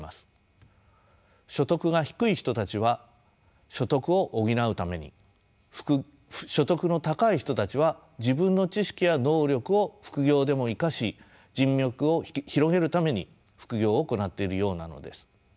所得が低い人たちは所得を補うために所得の高い人たちは自分の知識や能力を副業でも生かし人脈を広げるために副業を行っているようなのです。